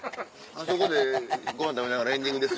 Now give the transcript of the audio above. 「あそこでご飯食べながらエンディングです」